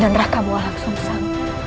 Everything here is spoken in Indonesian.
dan raka mualang sumsang